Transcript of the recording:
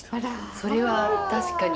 それは確かに。